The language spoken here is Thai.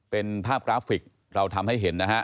เป็นภาพกราฟิกเราทำให้เห็นนะฮะ